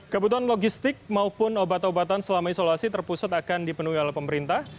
kebutuhan logistik maupun obat obatan selama isolasi terpusat akan dipenuhi oleh pemerintah